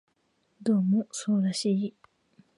どうもそうらしい